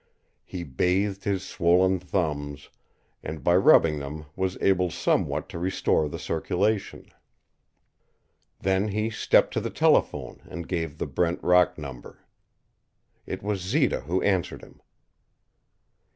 He bathed his swollen thumbs, and by rubbing them was able somewhat to restore the circulation. Then he stepped to the telephone and gave the Brent Rock number. It was Zita who answered him.